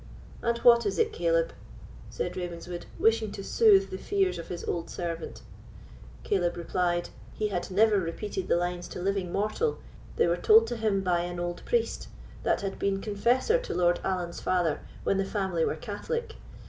"And what is it, Caleb?" said Ravenswood, wishing to soothe the fears of his old servant. Caleb replied: "He had never repeated the lines to living mortal; they were told to him by an auld priest that had been confessor to Lord Allan's father when the family were Catholic.